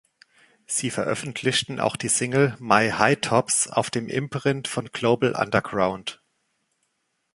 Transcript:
Sie veröffentlichten auch die Single „My Hi Tops“ auf dem Imprint von Global Underground.